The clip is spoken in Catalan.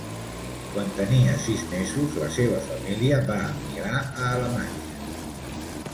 Quan tenia sis mesos, la seva família va emigrar a Alemanya.